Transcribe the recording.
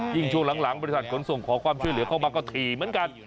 ช่วงหลังบริษัทขนส่งขอความช่วยเหลือเข้ามาก็ถี่เหมือนกัน